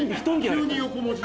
急に横文字。